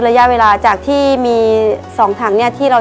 ในแคมเปญพิเศษเกมต่อชีวิตโรงเรียนของหนู